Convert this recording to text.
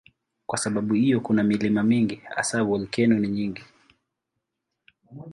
Kwa sababu hiyo kuna milima mingi, hasa volkeno ni nyingi.